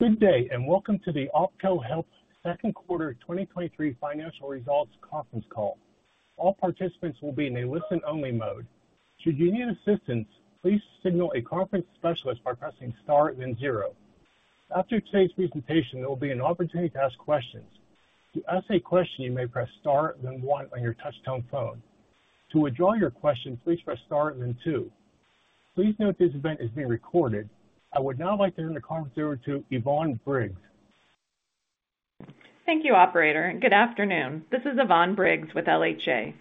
Good day, welcome to the OPKO Health Second Quarter 2023 Financial Results Conference Call. All participants will be in a listen-only mode. Should you need assistance, please signal a conference specialist by pressing Star then zero. After today's presentation, there will be an opportunity to ask questions. To ask a question, you may press Star then one on your touchtone phone. To withdraw your question, please press Star, then two. Please note this event is being recorded. I would now like to turn the conference over to Yvonne Briggs. Thank you, operator. Good afternoon. This is Yvonne Briggs with LHA.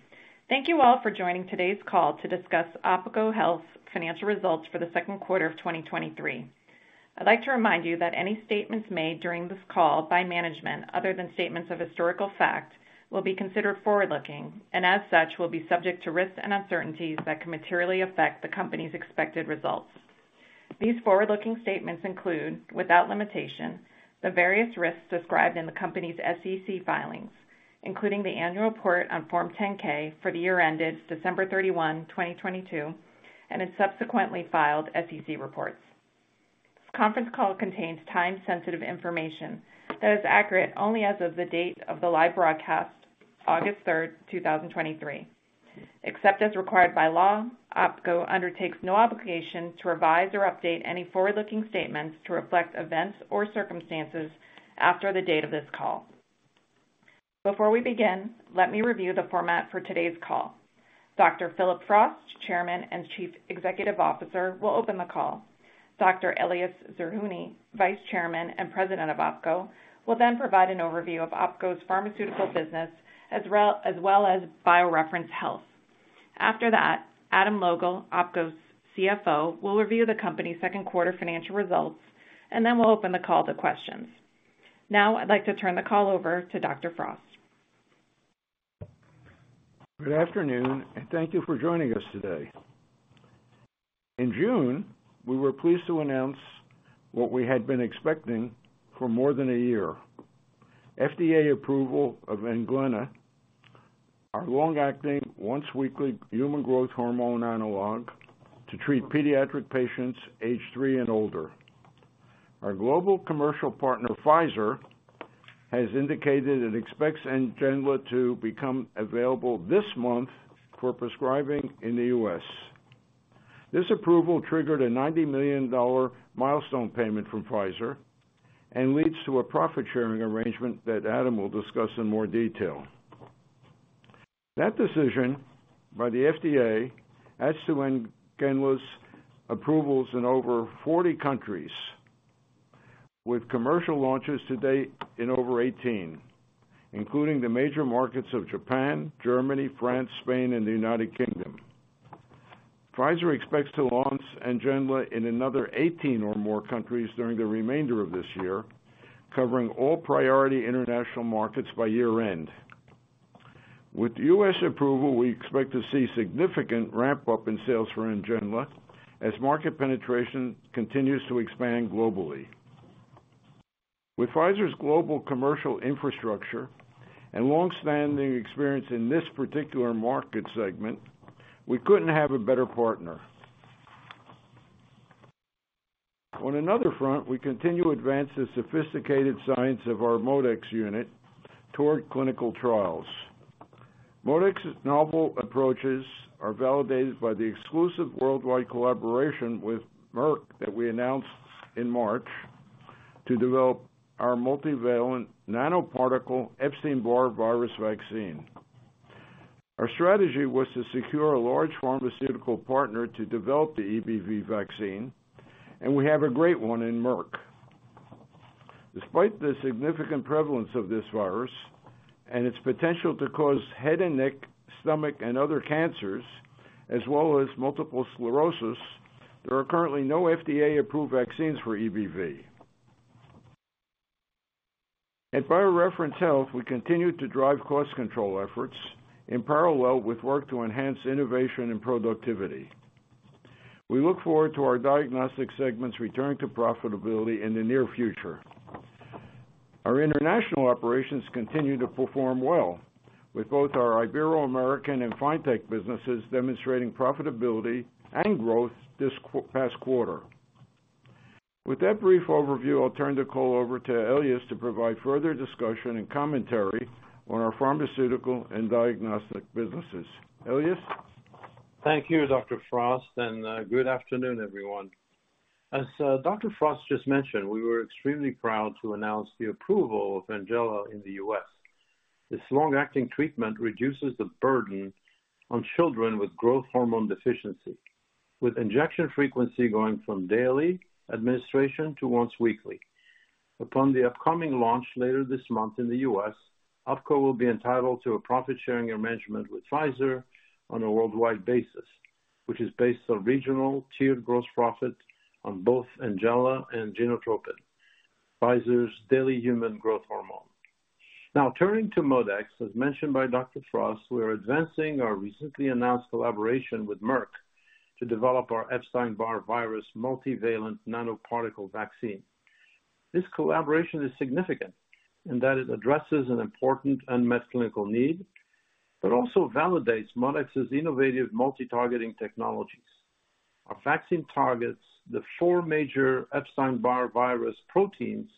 Thank you all for joining today's call to discuss OPKO Health's financial results for the second quarter of 2023. I'd like to remind you that any statements made during this call by management, other than statements of historical fact, will be considered forward-looking and as such will be subject to risks and uncertainties that can materially affect the company's expected results. These forward-looking statements include, without limitation, the various risks described in the company's SEC filings, including the annual report on Form 10-K for the year ended December 31, 2022, and its subsequently filed SEC reports. This conference call contains time-sensitive information that is accurate only as of the date of the live broadcast, August 3, 2023. Except as required by law, OPKO undertakes no obligation to revise or update any forward-looking statements to reflect events or circumstances after the date of this call. Before we begin, let me review the format for today's call. Dr. Phillip Frost, Chairman and Chief Executive Officer, will open the call. Dr. Elias Zerhouni, Vice Chairman and President of OPKO, will then provide an overview of OPKO's pharmaceutical business as well, as well as BioReference Health. After that, Adam Logal, OPKO's CFO, will review the company's second quarter financial results, and then we'll open the call to questions. Now, I'd like to turn the call over to Dr. Frost. Good afternoon, and thank you for joining us today. In June, we were pleased to announce what we had been expecting for more than a year. FDA approval of NGENLA our long-acting, once-weekly human growth hormone analog to treat pediatric patients aged 3 and older. Our global commercial partner, Pfizer, has indicated it expects NGENLA to become available this month for prescribing in the U.S. This approval triggered a $90 million milestone payment from Pfizer and leads to a profit-sharing arrangement that Adam will discuss in more detail. That decision by the FDA adds to NGENLA approvals in over 40 countries, with commercial launches to date in over 18, including the major markets of Japan, Germany, France, Spain, and the United Kingdom. Pfizer expects to launch NGENLA in another 18 or more countries during the remainder of this year, covering all priority international markets by year-end. With U.S. approval, we expect to see significant ramp-up in sales for NGENLA as market penetration continues to expand globally. With Pfizer's global commercial infrastructure and long-standing experience in this particular market segment, we couldn't have a better partner. On another front, we continue to advance the sophisticated science of our ModeX unit toward clinical trials. ModeX's novel approaches are validated by the exclusive worldwide collaboration with Merck that we announced in March to develop our multivalent nanoparticle Epstein-Barr virus vaccine. Our strategy was to secure a large pharmaceutical partner to develop the EBV vaccine, and we have a great one in Merck. Despite the significant prevalence of this virus and its potential to cause head and neck, stomach, and other cancers, as well as multiple sclerosis, there are currently no FDA-approved vaccines for EBV. At BioReference Health, we continue to drive cost control efforts in parallel with work to enhance innovation and productivity. We look forward to our diagnostic segment's return to profitability in the near future. Our international operations continue to perform well, with both our Ibero-American and FinTech businesses demonstrating profitability and growth this past quarter. With that brief overview, I'll turn the call over to Elias to provide further discussion and commentary on our pharmaceutical and diagnostic businesses. Elias? Thank you, Dr. Frost, good afternoon, everyone. As Dr. Frost just mentioned, we were extremely proud to announce the approval of NGENLA in the U.S. This long-acting treatment reduces the burden on children with growth hormone deficiency, with injection frequency going from daily administration to once weekly. Upon the upcoming launch later this month in the U.S., OPKO will be entitled to a profit-sharing arrangement with Pfizer on a worldwide basis, which is based on regional tiered gross profit on both NGENLA and GENOTROPIN, Pfizer's daily human growth hormone. Now, turning to ModeX, as mentioned by Dr. Frost, we are advancing our recently announced collaboration with Merck to develop our Epstein-Barr virus multivalent nanoparticle vaccine. This collaboration is significant in that it addresses an important unmet clinical need but also validates ModeX's innovative multi-targeting technologies. Our vaccine targets the four major Epstein-Barr virus proteins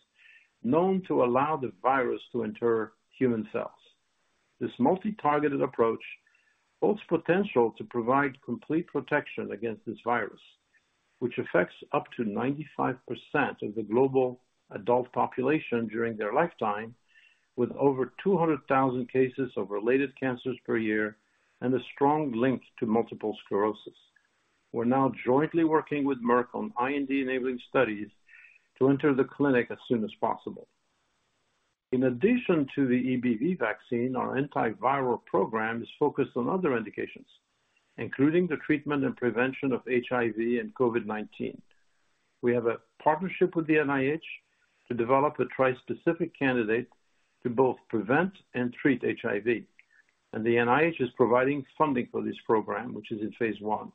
known to allow the virus to enter human cells. This multi-targeted approach holds potential to provide complete protection against this virus, which affects up to 95% of the global adult population during their lifetime, with over 200,000 cases of related cancers per year and a strong link to multiple sclerosis. We're now jointly working with Merck on IND-enabling studies to enter the clinic as soon as possible. In addition to the EBV vaccine, our antiviral program is focused on other indications, including the treatment and prevention of HIV and COVID-19. We have a partnership with the NIH to develop a trispecific candidate to both prevent and treat HIV, and the NIH is providing funding for this program, which is in phase 1.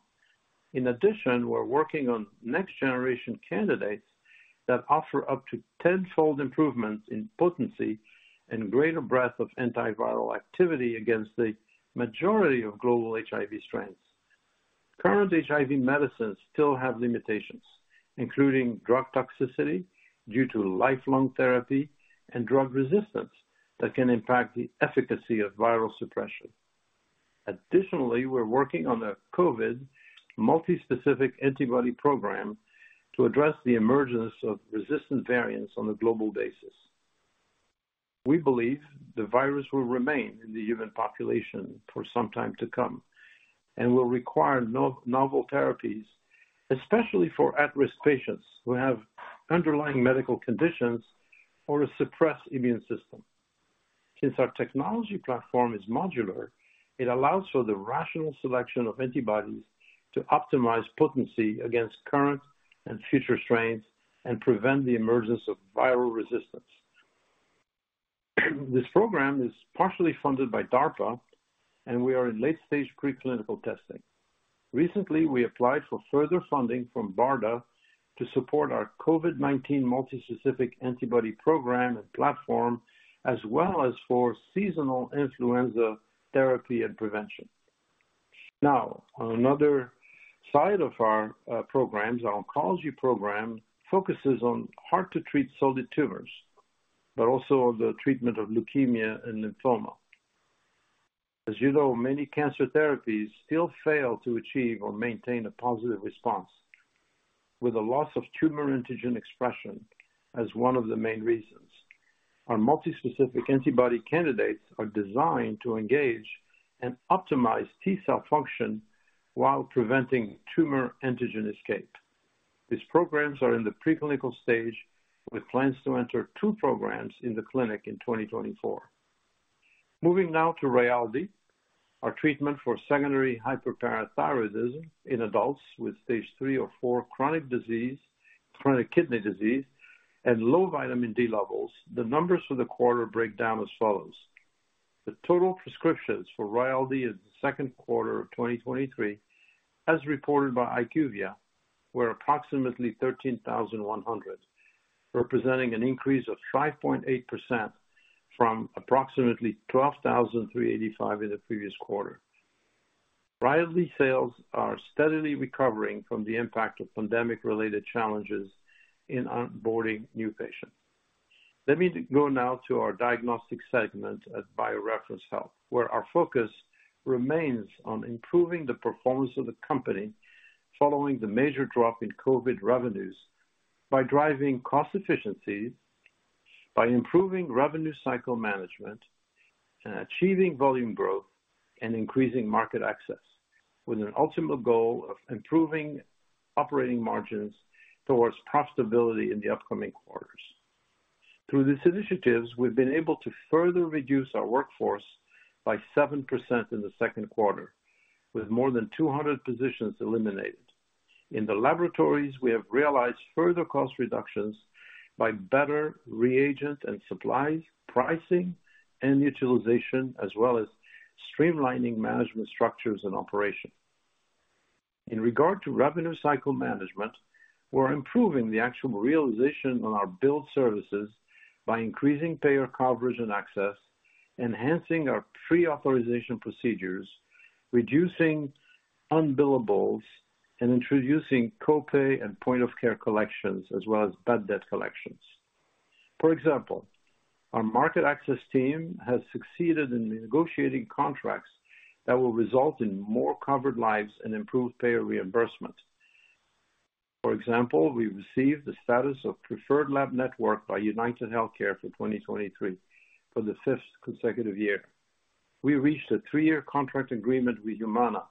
In addition, we're working on next-generation candidates that offer up to 10-fold improvements in potency and greater breadth of antiviral activity against the majority of global HIV strains. Current HIV medicines still have limitations, including drug toxicity due to lifelong therapy and drug resistance that can impact the efficacy of viral suppression. Additionally, we're working on a COVID multispecific antibody program to address the emergence of resistant variants on a global basis. We believe the virus will remain in the human population for some time to come and will require novel therapies, especially for at-risk patients who have underlying medical conditions or a suppressed immune system. Since our technology platform is modular, it allows for the rational selection of antibodies to optimize potency against current and future strains and prevent the emergence of viral resistance. This program is partially funded by DARPA, and we are in late-stage preclinical testing. Recently, we applied for further funding from BARDA to support our COVID-19 multispecific antibody program and platform, as well as for seasonal influenza therapy and prevention. On another side of our programs, our oncology program focuses on hard-to-treat solid tumors, but also on the treatment of leukemia and lymphoma. As you know, many cancer therapies still fail to achieve or maintain a positive response, with a loss of tumor antigen expression as one of the main reasons. Our multispecific antibody candidates are designed to engage and optimize T-cell function while preventing tumor antigen escape. These programs are in the preclinical stage, with plans to enter two programs in the clinic in 2024. Moving now to Rayaldee, our treatment for secondary hyperparathyroidism in adults with stage 3 or 4 chronic kidney disease and low vitamin D levels. The numbers for the quarter break down as follows: The total prescriptions for Rayaldee in the second quarter of 2023, as reported by IQVIA, were approximately 13,100, representing an increase of 5.8% from approximately 12,385 in the previous quarter. Rayaldee sales are steadily recovering from the impact of pandemic-related challenges in onboarding new patients. Let me go now to our diagnostic segment at BioReference Health, where our focus remains on improving the performance of the company following the major drop in COVID revenues, by driving cost efficiency, by improving revenue cycle management, and achieving volume growth and increasing market access, with an ultimate goal of improving operating margins towards profitability in the upcoming quarters. Through these initiatives, we've been able to further reduce our workforce by 7% in the second quarter, with more than 200 positions eliminated. In the laboratories, we have realized further cost reductions by better reagents and supplies, pricing and utilization, as well as streamlining management structures and operations. In regard to revenue cycle management, we're improving the actual realization on our billed services by increasing payer coverage and access, enhancing our prior authorization procedures, reducing unbillables, and introducing copay and point-of-care collections, as well as bad debt collections. For example, our market access team has succeeded in negotiating contracts that will result in more covered lives and improved payer reimbursement. For example, we received the status of Preferred Lab Network by UnitedHealthcare for 2023 for the fifth consecutive year. We reached a three-year contract agreement with Humana,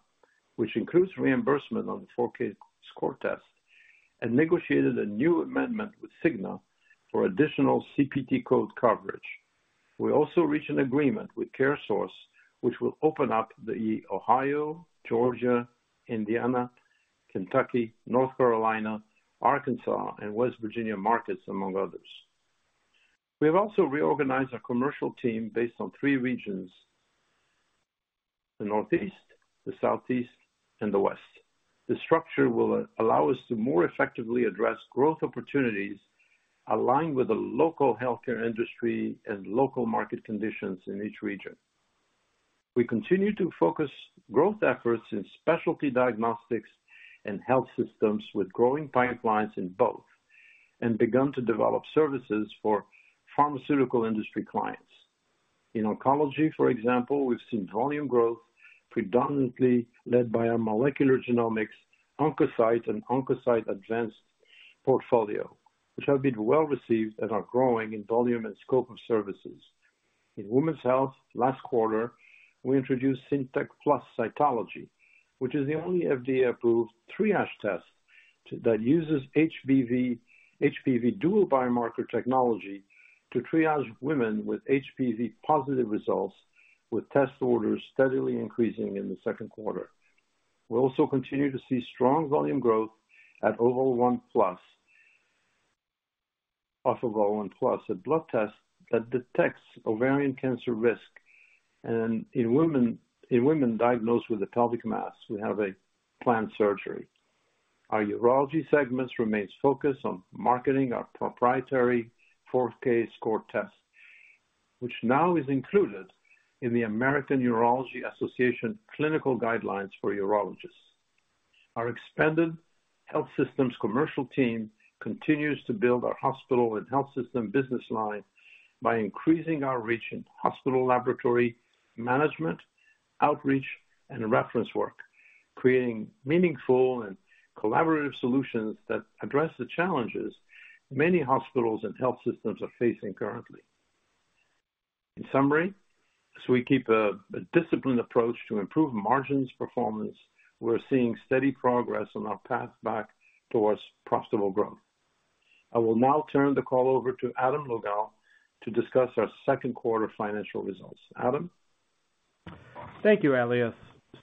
which includes reimbursement on the 4Kscore Test, and negotiated a new amendment with Cigna for additional CPT code coverage. We also reached an agreement with CareSource, which will open up the Ohio, Georgia, Indiana, Kentucky, North Carolina, Arkansas, and West Virginia markets, among others. We have also reorganized our commercial team based on three regions: the Northeast, the Southeast, and the West. This structure will allow us to more effectively address growth opportunities aligned with the local healthcare industry and local market conditions in each region. We continue to focus growth efforts in specialty diagnostics and health systems, with growing pipelines in both, and begun to develop services for pharmaceutical industry clients. In oncology, for example, we've seen volume growth predominantly led by our molecular genomics, OncoCyte and OncoCyte Advanced portfolio, which have been well-received and are growing in volume and scope of services. In women's health, last quarter, we introduced CINtec PLUS Cytology, which is the only FDA-approved triage test that uses HPV dual biomarker technology to triage women with HPV-positive results, with test orders steadily increasing in the second quarter. We also continue to see strong volume growth off Overa (OVA1plus), a blood test that detects ovarian cancer risk. In women diagnosed with a pelvic mass, we have a planned surgery. Our urology segments remains focused on marketing our proprietary 4Kscore Test, which now is included in the American Urological Association clinical guidelines for urologists. Our expanded health systems commercial team continues to build our hospital and health system business line by increasing our reach in hospital laboratory management, outreach, and reference work, creating meaningful and collaborative solutions that address the challenges many hospitals and health systems are facing currently. In summary, as we keep a disciplined approach to improve margins performance, we're seeing steady progress on our path back towards profitable growth. I will now turn the call over to Adam Logal to discuss our second quarter financial results. Adam? Thank you, Elias.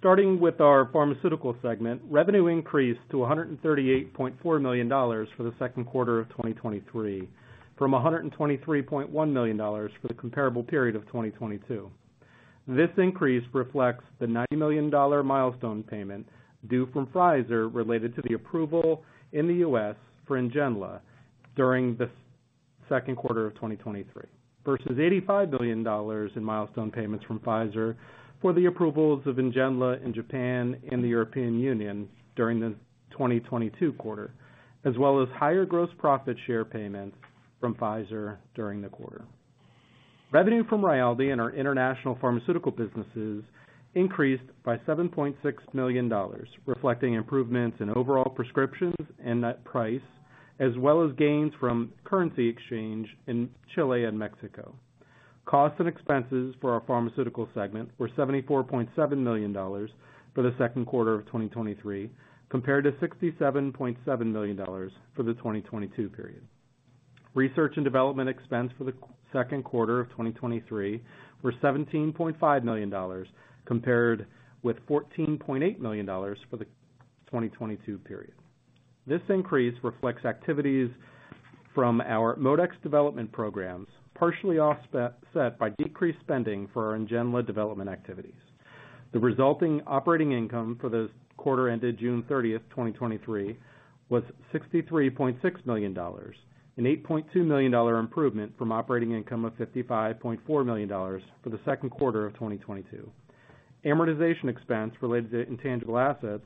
Starting with our pharmaceutical segment, revenue increased to $138.4 million for the second quarter of 2023, from $123.1 million for the comparable period of 2022. This increase reflects the $90 million milestone payment due from Pfizer related to the approval in the U.S. for NGENLA, during the second quarter of 2023, versus $85 million in milestone payments from Pfizer for the approvals of NGENLA in Japan and the European Union during the 2022 quarter, as well as higher gross profit share payments from Pfizer during the quarter. Revenue from Rayaldee and our international pharmaceutical businesses increased by $7.6 million, reflecting improvements in overall prescriptions and net price, as well as gains from currency exchange in Chile and Mexico. Costs and expenses for our pharmaceutical segment were $74.7 million for the second quarter of 2023, compared to $67.7 million for the 2022 period. Research and development expense for the second quarter of 2023 were $17.5 million, compared with $14.8 million for the 2022 period. This increase reflects activities from our ModeX development programs, partially offset by decreased spending for our NGENLA development activities. The resulting operating income for the quarter ended June 30th, 2023, was $63.6 million, an $8.2 million improvement from operating income of $55.4 million for the second quarter of 2022. Amortization expense related to intangible assets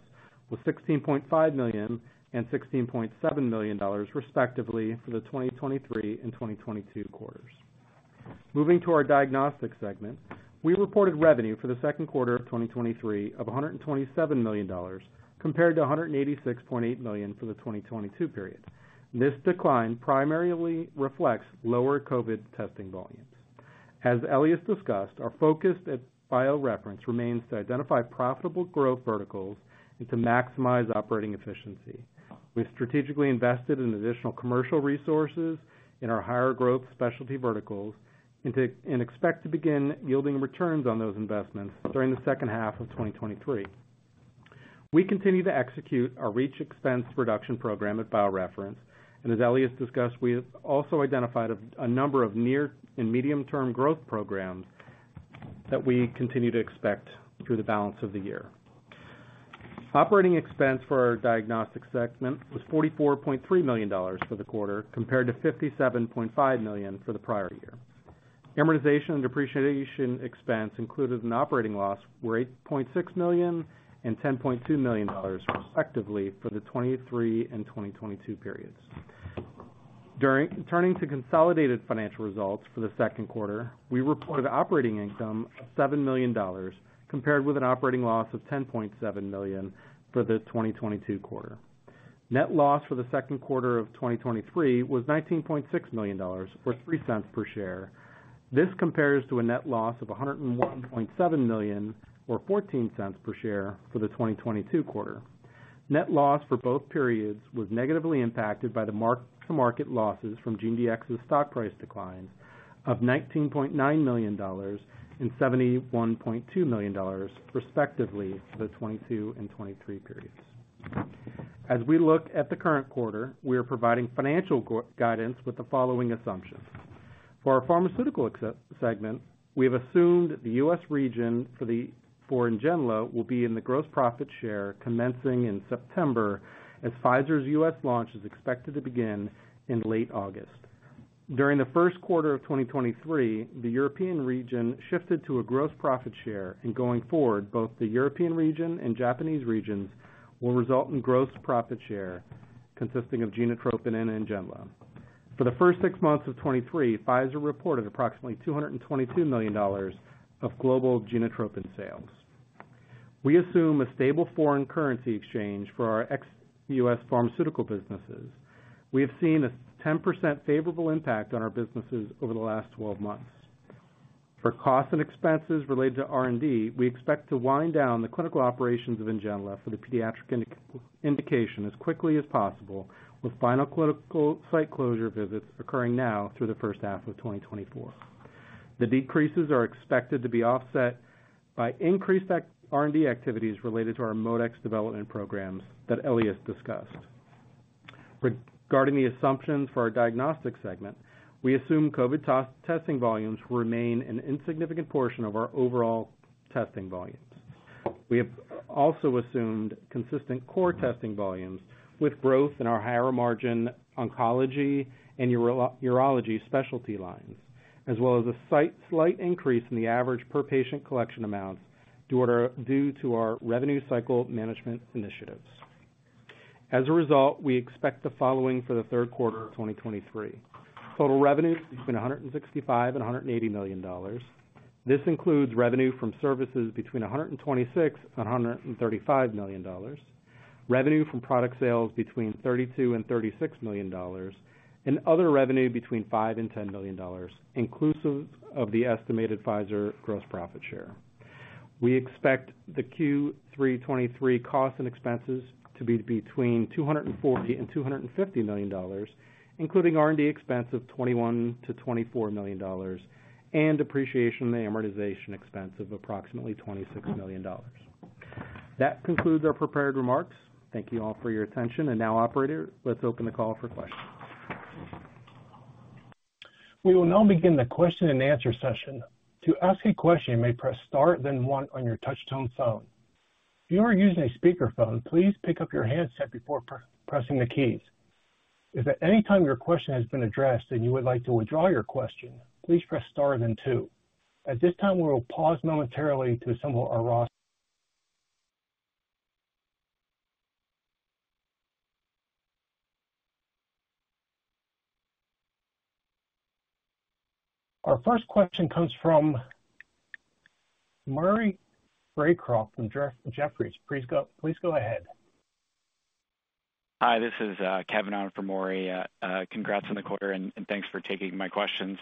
was $16.5 million and $16.7 million, respectively, for the 2023 and 2022 quarters. Moving to our diagnostic segment, we reported revenue for the second quarter of 2023 of $127 million, compared to $186.8 million for the 2022 period. This decline primarily reflects lower COVID testing volumes. As Elias discussed, our focus at BioReference remains to identify profitable growth verticals and to maximize operating efficiency. We've strategically invested in additional commercial resources in our higher growth specialty verticals and expect to begin yielding returns on those investments during the second half of 2023. We continue to execute our Reach Expense Reduction program at BioReference, and as Elias discussed, we have also identified a number of near and medium-term growth programs that we continue to expect through the balance of the year. Operating expense for our diagnostic segment was $44.3 million for the quarter, compared to $57.5 million for the prior year. Amortization and depreciation expense included an operating loss, were $8.6 million and $10.2 million, respectively, for the 2023 and 2022 periods. Turning to consolidated financial results for the second quarter, we reported operating income of $7 million, compared with an operating loss of $10.7 million for the 2022 quarter. Net loss for the second quarter of 2023 was $19.6 million, or $0.03 per share. This compares to a net loss of $101.7 million, or $0.14 per share, for the 2022 quarter. Net loss for both periods was negatively impacted by the mark-to-market losses from GeneDx's stock price declines of $19.9 million and $71.2 million, respectively, for the 2022 and 2023 periods. As we look at the current quarter, we are providing financial guidance with the following assumptions. For our pharmaceutical segment, we have assumed that the U.S. region for NGENLA will be in the gross profit share commencing in September, as Pfizer's U.S. launch is expected to begin in late August. During the first quarter of 2023, the European region shifted to a gross profit share, and going forward, both the European region and Japanese regions will result in gross profit share consisting of GENOTROPIN and NGENLA. For the first six months of 2023, Pfizer reported approximately $222 million of global GENOTROPIN sales. We assume a stable foreign currency exchange for our ex-U.S. pharmaceutical businesses. We have seen a 10% favorable impact on our businesses over the last 12 months. For costs and expenses related to R&D, we expect to wind down the clinical operations of NGENLA for the pediatric indication as quickly as possible, with final clinical site closure visits occurring now through the first half of 2024. The decreases are expected to be offset by increased R&D activities related to our ModeX development programs that Elias discussed. Regarding the assumptions for our diagnostics segment, we assume COVID testing volumes will remain an insignificant portion of our overall testing volumes. We have also assumed consistent core testing volumes, with growth in our higher-margin oncology and urology specialty lines, as well as a slight increase in the average per-patient collection amounts due to our revenue cycle management initiatives. As a result, we expect the following for the third quarter of 2023: Total revenue between $165 million and $180 million. This includes revenue from services between $126 million and $135 million, revenue from product sales between $32 million and $36 million, and other revenue between $5 million and $10 million, inclusive of the estimated Pfizer gross profit share. We expect the Q3 2023 costs and expenses to be between $240 million and $250 million, including R&D expense of $21 million-$24 million and depreciation and amortization expense of approximately $26 million. That concludes our prepared remarks. Thank you all for your attention. Now, operator, let's open the call for questions. We will now begin the question-and-answer session. To ask a question, you may press Star, then one on your touchtone phone. If you are using a speakerphone, please pick up your handset before pressing the keys. If at any time your question has been addressed and you would like to withdraw your question, please press Star, then two. At this time, we will pause momentarily to assemble our roster. Our first question comes from Maury Raycroft from Jefferies. Please go ahead. Hi, this is Kevin on for Maury. Congrats on the quarter and thanks for taking my questions.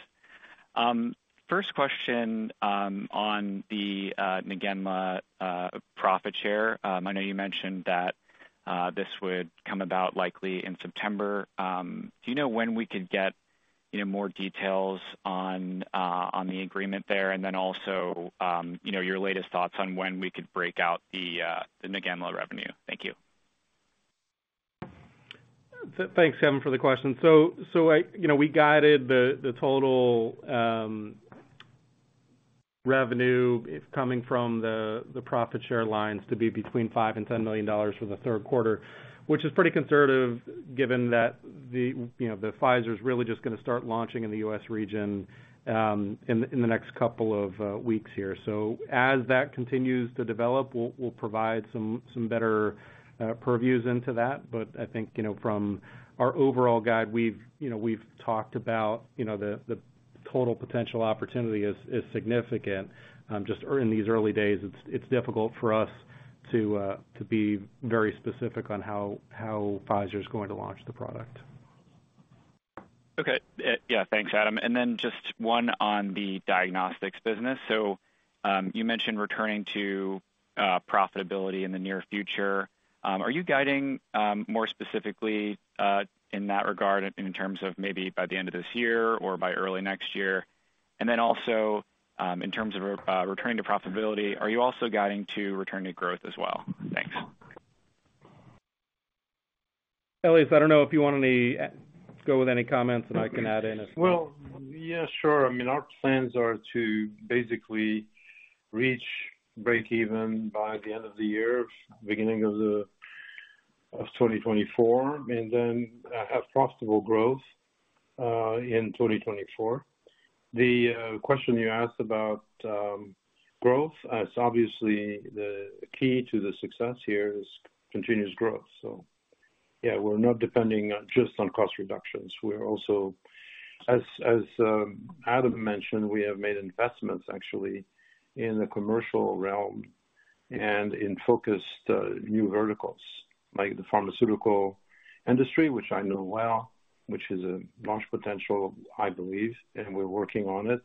First question on the NGENLA profit share. I know you mentioned that this would come about likely in September. Do you know when we could get, you know, more details on the agreement there? Then also, you know, your latest thoughts on when we could break out the NGENLA revenue. Thank you. Thanks, Kevin, for the question. I, you know, we guided the total revenue coming from the profit share lines to be between $5 million-$10 million for the third quarter, which is pretty conservative, given that, you know, Pfizer's really just gonna start launching in the U.S. region in the next couple of weeks here. As that continues to develop, we'll provide some better purviews into that. I think, you know, from our overall guide, we've, you know, we've talked about, you know, the total potential opportunity is significant. Just in these early days, it's difficult for us to be very specific on how Pfizer's going to launch the product. Okay. yeah, thanks, Adam. Just one on the diagnostics business. You mentioned returning to profitability in the near future. Are you guiding more specifically in that regard, in terms of maybe by the end of this year or by early next year? In terms of returning to profitability, are you also guiding to return to growth as well? Thanks. Elias, I don't know if you want any, go with any comments, and I can add in as well. Well, yeah, sure. I mean, our plans are to basically reach break even by the end of the year, beginning of 2024, and then have profitable growth in 2024. The question you asked about growth, as obviously the key to the success here is continuous growth. Yeah, we're not depending just on cost reductions. We're also, as Adam mentioned, we have made investments actually in the commercial realm and in focused new verticals, like the pharmaceutical industry, which I know well, which is a large potential, I believe, and we're working on it,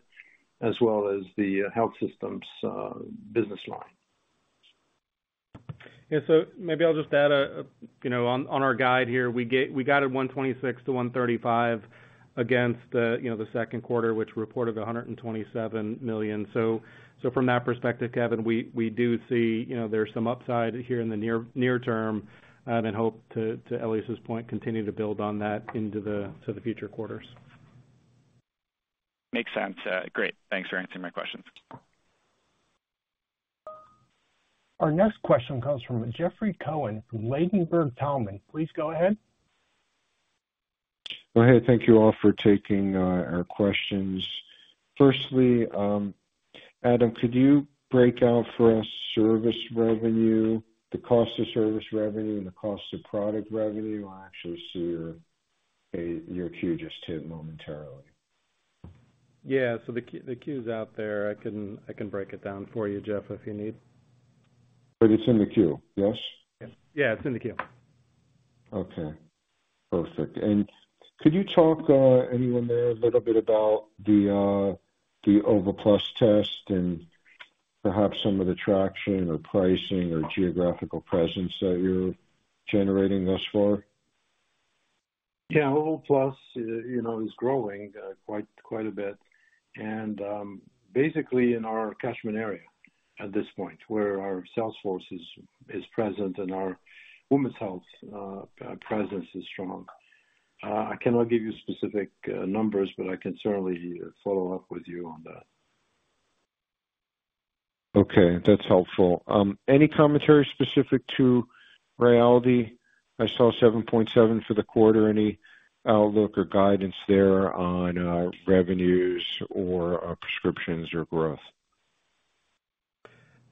as well as the health systems business line. Maybe I'll just add, you know, on our guide here, we guided $126 million-$135 million against the, you know, the second quarter, which reported $127 million. From that perspective, Kevin, we do see, you know, there's some upside here in the near term, and hope to Elias's point, continue to build on that into the future quarters. Makes sense. great. Thanks for answering my questions. Our next question comes from Jeffrey Cohen from Ladenburg Thalmann. Please go ahead. Go ahead. Thank you all for taking our questions. Firstly, Adam, could you break out for us service revenue, the cost of service revenue and the cost of product revenue? I actually see your queue just hit momentarily. Yeah, the queue is out there. I can, I can break it down for you, Jeff, if you need. It's in the queue, yes? Yeah, it's in the queue. Okay, perfect. Could you talk, anyone there, a little bit about the OVA1plus test and perhaps some of the traction or pricing or geographical presence that you're generating thus far? Yeah, OVA1plus, you know, is growing, quite, quite a bit. Basically in our catchment area at this point, where our sales force is, is present and our women's health presence is strong. I cannot give you specific numbers, but I can certainly follow up with you on that. Okay, that's helpful. Any commentary specific to Rayaldee? I saw 7.7 for the quarter. Any outlook or guidance there on revenues or prescriptions or growth?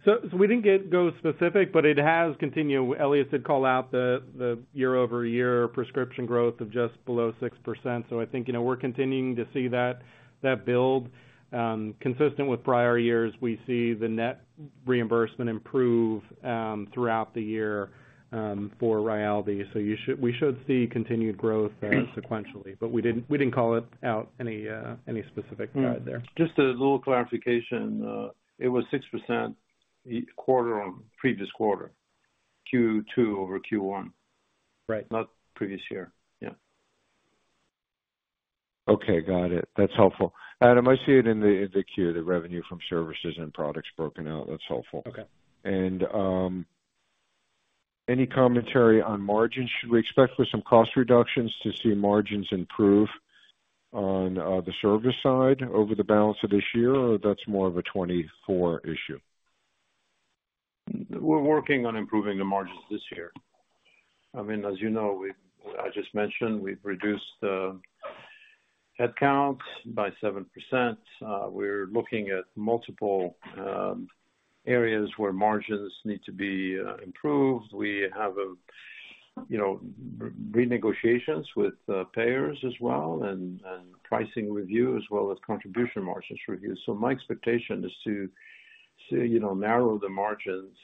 So we didn't get go specific, but it has continued. Elias did call out the year-over-year prescription growth of just below 6%. I think, you know, we're continuing to see that, that build. Consistent with prior years, we see the net reimbursement improve throughout the year for Rayaldee. We should see continued growth sequentially, but we didn't, we didn't call it out any specific guide there. Just a little clarification. It was 6% quarter on previous quarter, Q2 over Q1. Right. Not previous year. Yeah. Okay, got it. That's helpful. Adam, I see it in the queue, the revenue from services and products broken out. That's helpful. Okay. Any commentary on margins? Should we expect with some cost reductions to see margins improve on the service side over the balance of this year, or that's more of a 2024 issue? We're working on improving the margins this year. I mean, as you know, we've I just mentioned, we've reduced the headcount by 7%. We're looking at multiple areas where margins need to be improved. We have, you know, renegotiations with payers as well and, and pricing review, as well as contribution margins reviews. My expectation is to, you know, narrow the margins,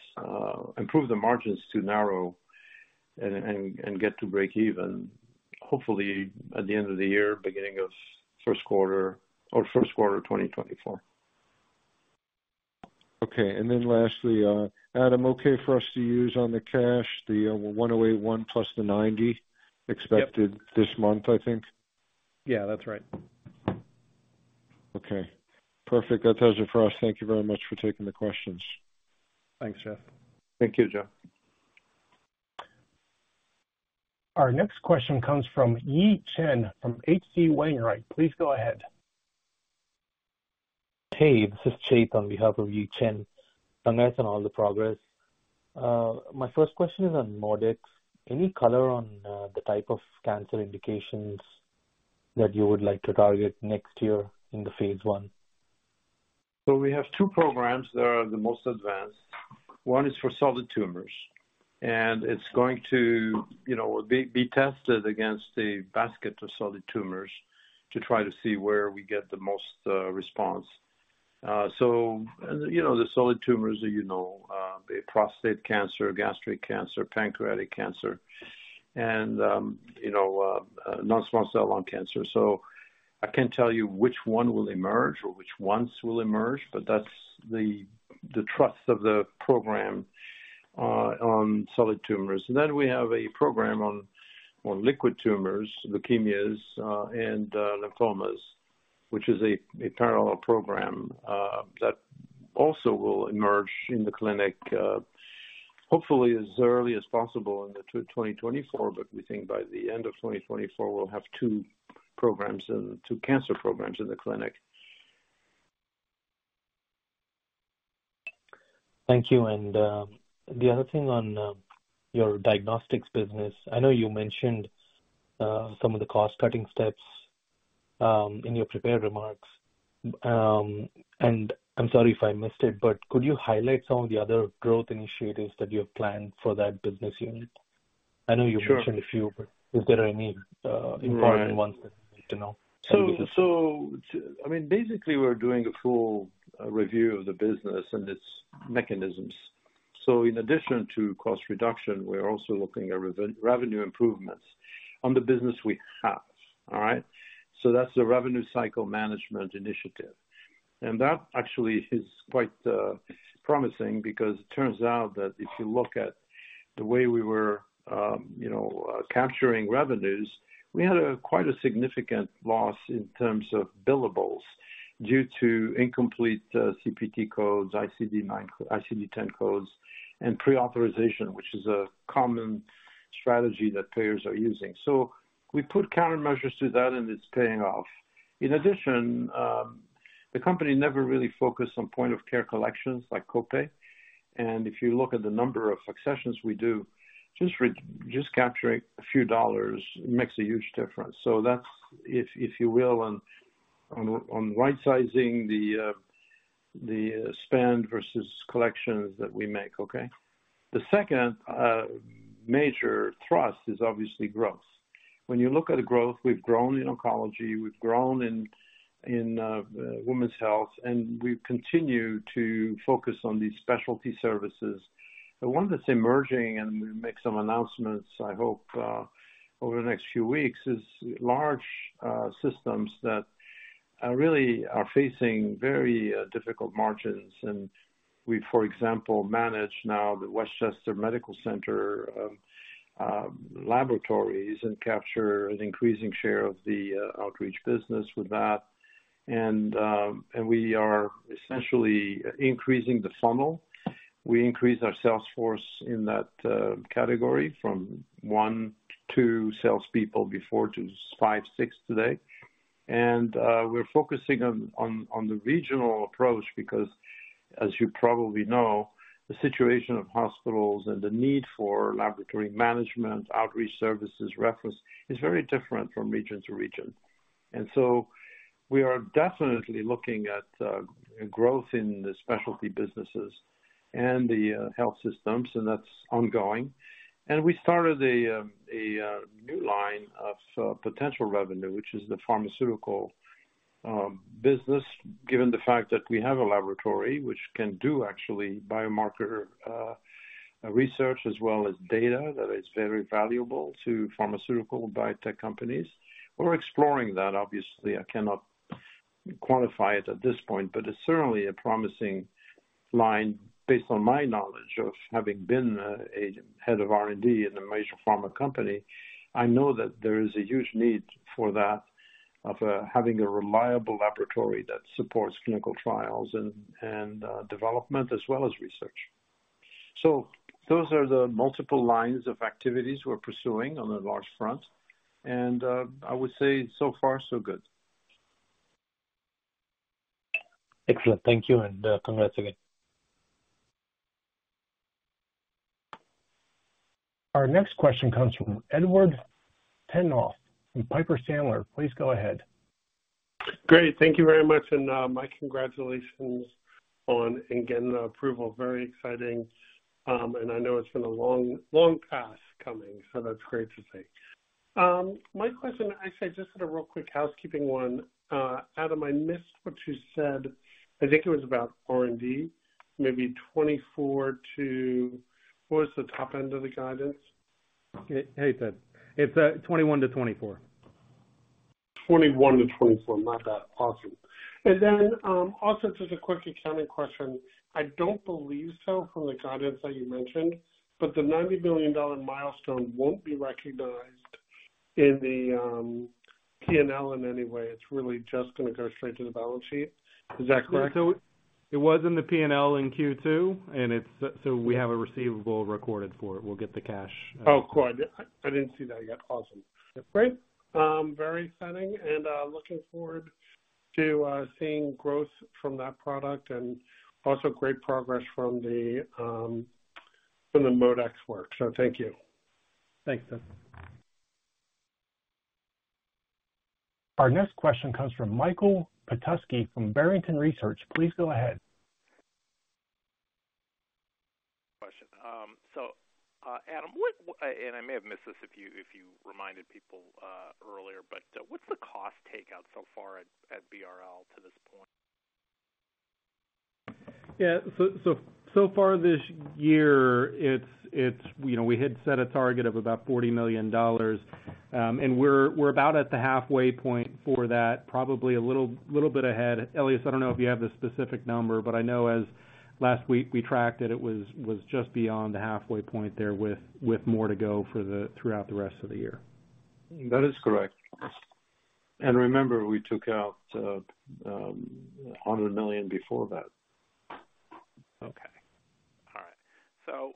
improve the margins to narrow and, and, and get to break even, hopefully at the end of the year, beginning of first quarter or first quarter of 2024. Okay. Then lastly, Adam, okay for us to use on the cash, the $1,081 plus the $90- Yep. Expected this month, I think? Yeah, that's right. Okay, perfect. That does it for us. Thank you very much for taking the questions. Thanks, Jeff. Thank you, Jeff. Our next question comes from Yi Chen from HC Wainwright. Please go ahead. Hey, this is Chase on behalf of Yi Chen. Congrats on all the progress. My first question is on ModeX. Any color on the type of cancer indications that you would like to target next year in the phase 1? We have 2 programs that are the most advanced. One is for solid tumors, and it's going to, you know, be, be tested against a basket of solid tumors to try to see where we get the most response. You know, the solid tumors, you know, prostate cancer, gastric cancer, pancreatic cancer, and, you know, non-small cell lung cancer. I can't tell you which one will emerge or which ones will emerge, but that's the, the trust of the program on solid tumors. We have a program on, on liquid tumors, leukemias, and lymphomas, which is a, a parallel program that also will emerge in the clinic, hopefully as early as possible in 2024. We think by the end of 2024, we'll have 2 programs in, 2 cancer programs in the clinic. Thank you. The other thing on your diagnostics business, I know you mentioned some of the cost-cutting steps in your prepared remarks. I'm sorry if I missed it, but could you highlight some of the other growth initiatives that you have planned for that business unit? Sure. I know you mentioned a few, but is there any important ones that we need to know? I mean, basically, we're doing a full review of the business and its mechanisms. In addition to cost reduction, we're also looking at revenue improvements on the business we have. All right? That's the revenue cycle management initiative. That actually is quite promising because it turns out that if you look at the way we were, you know, capturing revenues, we had a quite a significant loss in terms of billables due to incomplete CPT codes, ICD-9, ICD-10 codes, and pre-authorization, which is a common strategy that payers are using. We put countermeasures to that, and it's paying off. In addition, the company never really focused on point-of-care collections like copay. If you look at the number of successions we do, just capturing a few dollars makes a huge difference. That's, if, if you will, on, on, on rightsizing the, the spend versus collections that we make, okay? The second major thrust is obviously growth. When you look at the growth, we've grown in oncology, we've grown in, in women's health, and we've continued to focus on these specialty services. The one that's emerging, and we'll make some announcements, I hope, over the next few weeks, is large systems that really are facing very difficult margins. We, for example, manage now the Westchester Medical Center Laboratories and capture an increasing share of the outreach business with that. We are essentially increasing the funnel. We increased our sales force in that category from 1 to salespeople before, to 5, 6 today. We're focusing on the regional approach because, as you probably know, the situation of hospitals and the need for laboratory management, outreach services, reference, is very different from region to region. We are definitely looking at growth in the specialty businesses and the health systems, and that's ongoing. We started a new line of potential revenue, which is the pharmaceutical business, given the fact that we have a laboratory which can do actually biomarker research as well as data that is very valuable to pharmaceutical biotech companies. We're exploring that. Obviously, I cannot quantify it at this point, but it's certainly a promising line based on my knowledge of having been a head of R&D in a major pharma company. I know that there is a huge need for that, of having a reliable laboratory that supports clinical trials and development as well as research. Those are the multiple lines of activities we're pursuing on a large front, and I would say, so far, so good. Excellent. Thank you, and, congrats again. Our next question comes from Edward Tenthoff from Piper Sandler. Please go ahead. Great. Thank you very much. My congratulations on in getting the approval. Very exciting, I know it's been a long, long pass coming, so that's great to see. My question, I say just a real quick housekeeping one. Adam, I missed what you said. I think it was about R&D, maybe 24 to... What was the top end of the guidance? Hey, Ted. It's 21 to 24. 21 to 24. My bad. Awesome. Also just a quick accounting question. I don't believe so from the guidance that you mentioned, the $90 million milestone won't be recognized in the P&L in any way. It's really just gonna go straight to the balance sheet. Is that correct? it was in the P&L in Q2, and it's, so we have a receivable recorded for it. We'll get the cash. Oh, good. I, I didn't see that yet. Awesome. Great. Very exciting, and looking forward to seeing growth from that product and also great progress from the from the ModeX work. Thank you. Thanks, Ted. Our next question comes from Michael Petusky from Barrington Research. Please go ahead. Adam, what, and I may have missed this if you, if you reminded people, earlier, what's the cost takeout so far at BRL to this point? Yeah. So far this year, you know, we had set a target of about $40 million, and we're about at the halfway point for that, probably a little bit ahead. Elias, I don't know if you have the specific number, but I know as last week we tracked it, it was just beyond the halfway point there, with more to go throughout the rest of the year. That is correct. Remember, we took out, $100 million before that. Okay. All right.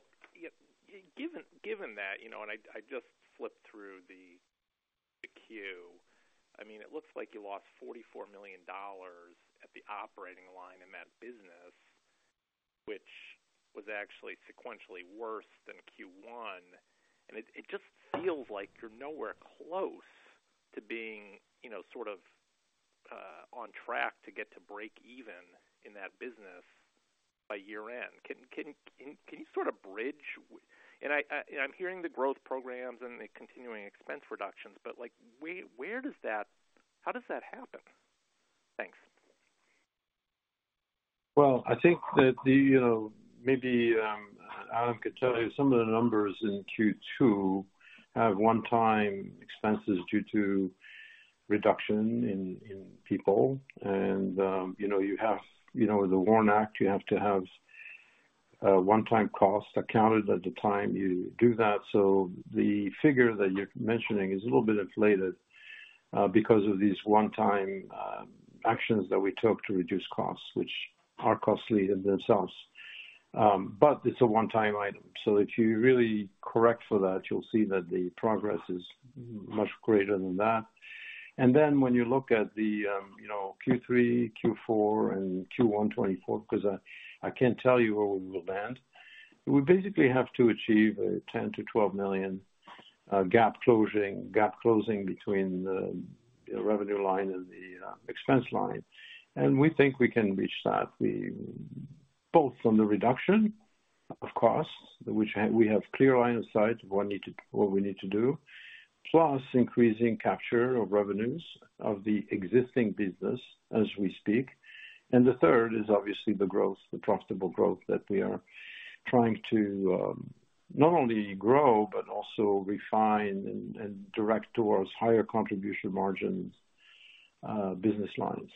Given, given that, you know, and I, I just flipped through the, the queue. I mean, it looks like you lost $44 million at the operating line in that business, which was actually sequentially worse than Q1. It, it just feels like you're nowhere close to being, you know, sort of, on track to get to break even in that business by year-end. Can, can, can you sort of bridge? I, I, and I'm hearing the growth programs and the continuing expense reductions, but, like, where, how does that happen? Thanks. Well, I think that the, you know, maybe Adam could tell you some of the numbers in Q2 have one-time expenses due to reduction in, in people. You know, you have, you know, the WARN Act, you have to have one-time costs accounted at the time you do that. The figure that you're mentioning is a little bit inflated because of these one-time actions that we took to reduce costs, which are costly in themselves. It's a one-time item. If you really correct for that, you'll see that the progress is much greater than that. When you look at the, you know, Q3, Q4, and Q1 2024, 'cause I, I can't tell you where we will land. We basically have to achieve a $10 million-$12 million gap closing, gap closing between the, the revenue line and the expense line. We think we can reach that. Both from the reduction of costs, which we have clear line of sight of what we need to do, plus increasing capture of revenues of the existing business as we speak. The third is obviously the growth, the profitable growth that we are trying to not only grow, but also refine and, and direct towards higher contribution margins, business lines.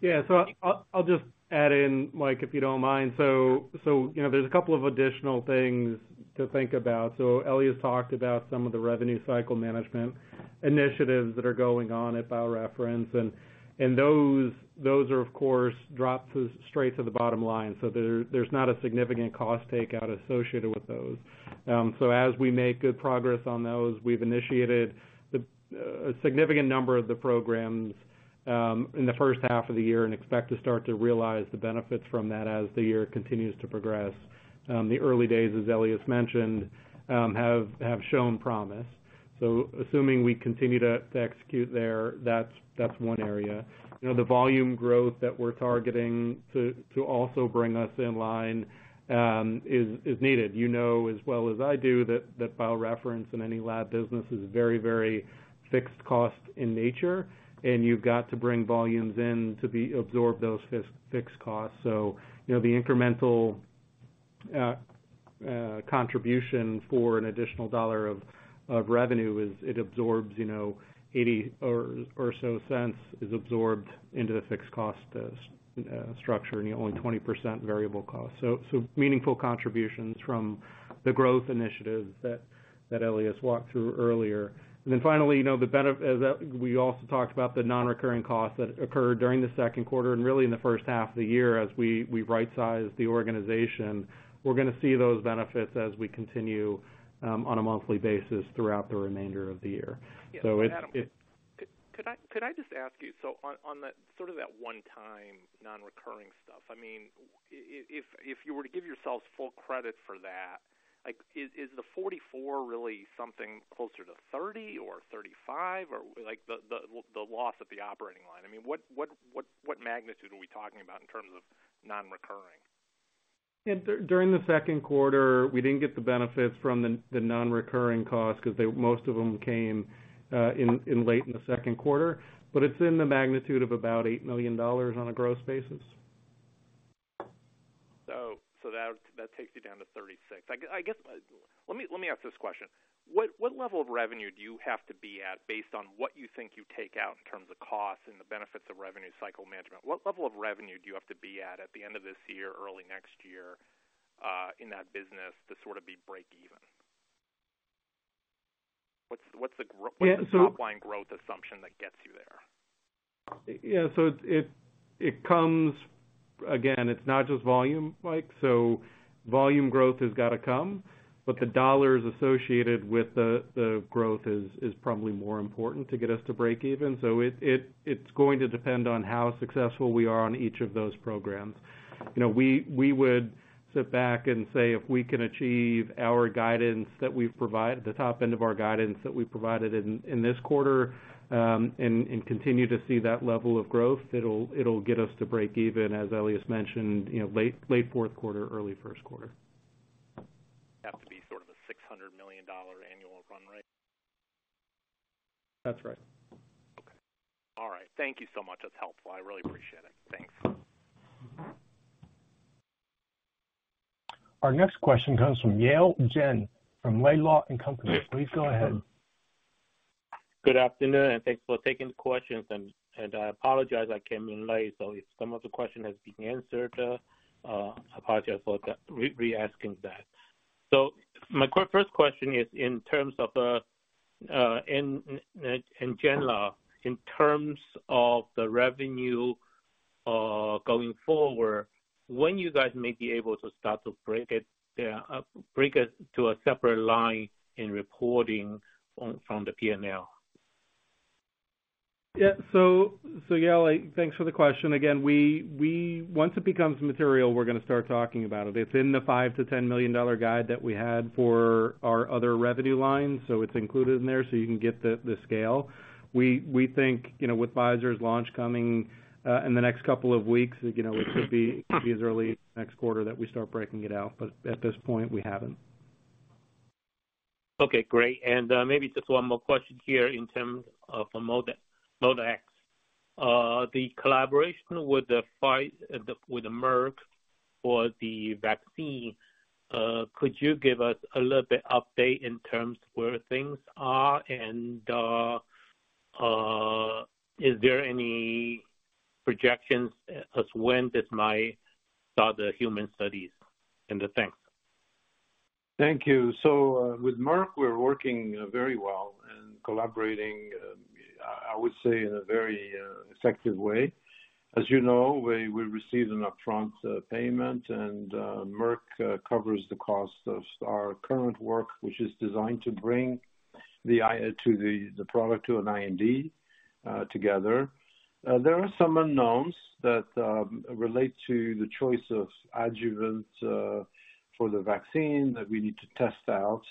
Yeah, I'll, I'll just add in, Mike, if you don't mind. You know, there's a couple of additional things to think about. Elias talked about some of the revenue cycle management initiatives that are going on at BioReference, and those, those are, of course, drops straight to the bottom line. There, there's not a significant cost takeout associated with those. As we make good progress on those, we've initiated a significant number of the programs in the first half of the year and expect to start to realize the benefits from that as the year continues to progress. The early days, as Elias mentioned, have shown promise. Assuming we continue to, to execute there, that's, that's one area. You know, the volume growth that we're targeting to, to also bring us in line, is needed. You know as well as I do, that BioReference in any lab business is very, very fixed cost in nature, and you've got to bring volumes in to absorb those fixed costs. You know, the incremental contribution for an additional dollar of revenue is it absorbs, you know, $0.80 or so is absorbed into the fixed cost structure, and only 20% variable cost. Meaningful contributions from the growth initiatives that Elias walked through earlier. Finally, you know, the bene- that we also talked about the non-recurring costs that occurred during the second quarter and really in the first half of the year, as we right-sized the organization. We're gonna see those benefits as we continue on a monthly basis throughout the remainder of the year. Yeah, Adam, could I just ask you, so on that sort of that one time, non-recurring stuff, I mean, if you were to give yourselves full credit for that, like, is the $44 really something closer to $30 or $35, or like, the loss at the operating line? I mean, what magnitude are we talking about in terms of non-recurring? Yeah, during the second quarter, we didn't get the benefits from the non-recurring costs, 'cause they most of them came in late in the second quarter. It's in the magnitude of about $8 million on a gross basis. So that, that takes you down to 36. I guess, let me ask this question: What level of revenue do you have to be at based on what you think you take out in terms of costs and the benefits of revenue cycle management? What level of revenue do you have to be at, at the end of this year, early next year, in that business to sort of be break even? What's the gr-. Yeah. What's the top-line growth assumption that gets you there? It comes... Again, it's not just volume, Mike. Volume growth has got to come, but the dollars associated with the growth is probably more important to get us to break even. It's going to depend on how successful we are on each of those programs. You know, we would sit back and say, if we can achieve our guidance that we've provided, the top end of our guidance that we provided in this quarter, and continue to see that level of growth, it'll get us to break even, as Elias mentioned, you know, late fourth quarter, early first quarter. Have to be sort of a $600 million annual run rate? That's right. Okay. All right. Thank you so much. That's helpful. I really appreciate it. Thanks. Our next question comes from Yale Jen from Laidlaw & Company. Please go ahead. Good afternoon, thanks for taking the questions. I apologize, I came in late, so if some of the question has been answered, I apologize for re-asking that. My first question is in terms of the in NGENLA, in terms of the revenue, going forward, when you guys may be able to start to break it, break it to a separate line in reporting from, from the P&L? Yeah. Yale, thanks for the question. Again, we once it becomes material, we're gonna start talking about it. It's in the $5 million-$10 million guide that we had for our other revenue lines, so it's included in there, so you can get the scale. We think, you know, with Pfizer's launch coming in the next couple of weeks, you know, it could be as early as next quarter that we start breaking it out, but at this point, we haven't. Okay, great. Maybe just one more question here in terms of ModeX. The collaboration with the Merck for the vaccine, could you give us a little bit update in terms of where things are? Is there any projections as when this might start the human studies? Thanks. Thank you. With Merck, we're working very well and collaborating, I would say, in a very effective way. As you know, we received an upfront payment, and Merck covers the cost of our current work, which is designed to bring the product to an IND together. There are some unknowns that relate to the choice of adjuvant for the vaccine that we need to test out.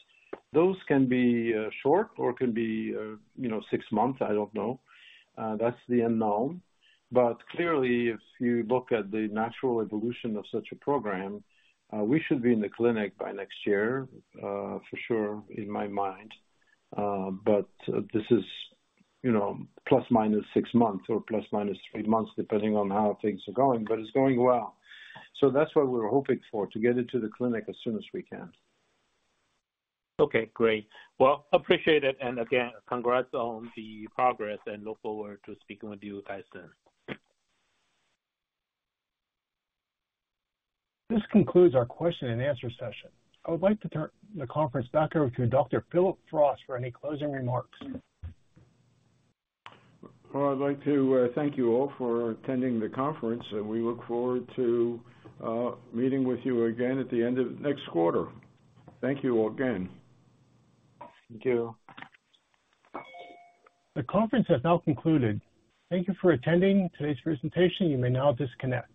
Those can be short or can be, you know, 6 months, I don't know. That's the unknown. Clearly, if you look at the natural evolution of such a program, we should be in the clinic by next year, for sure, in my mind. This is, you know, plus or minus 6 months or plus or minus 3 months, depending on how things are going, but it's going well. That's what we're hoping for, to get into the clinic as soon as we can. Okay, great. Well, appreciate it. Again, congrats on the progress and look forward to speaking with you guys soon. This concludes our question and answer session. I would like to turn the conference back over to Dr. Phillip Frost for any closing remarks. Well, I'd like to thank you all for attending the conference. We look forward to meeting with you again at the end of next quarter. Thank you all again. Thank you. The conference has now concluded. Thank you for attending today's presentation. You may now disconnect.